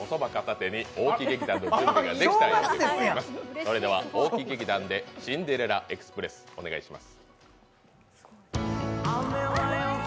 それでは大木劇団で「シンデレラ・エクスプレス」お願いします。